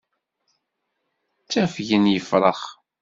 Ttafgen yefṛax.